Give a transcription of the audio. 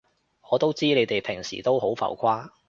我都知你哋平時都好浮誇